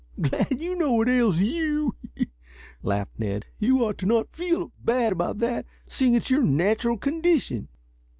"Glad you know what ails you," laughed Ned. "You ought not to feel bad about that, seeing it's your natural condition."